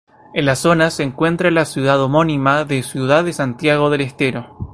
En la zona se encuentra la ciudad homónima de Ciudad de Santiago del Estero.